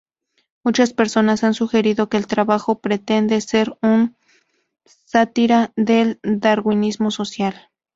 Muchas personas han sugerido que el trabajo pretende ser una sátira del darwinismo social.